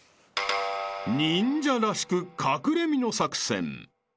［忍者らしく隠れみの作戦］